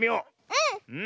うん！